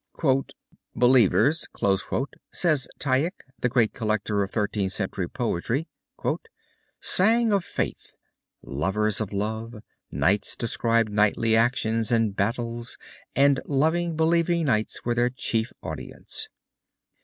"Believers," says Tieck, the great collector of Thirteenth Century poetry, "sang of Faith; Lovers of Love; Knights described knightly actions and battles; and loving, believing knights were their chief audience.